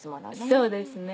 そうですね。